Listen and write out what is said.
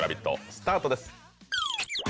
スタートです。